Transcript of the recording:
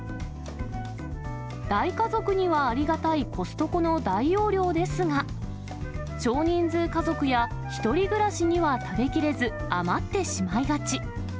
大家族にはありがたいコストコの大容量ですが、少人数家族や１人暮らしには食べきれず、余ってしまいがち。